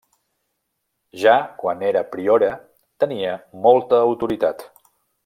Ja quan era priora tenia molta autoritat.